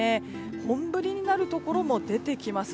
本降りになるところも出てきます。